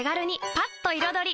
パッと彩り！